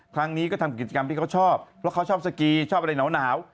ครั้งนี้ก็ทำกิจกรรมที่เขาชอบเพราะเขาชอบสกีชอบอะไรหนาว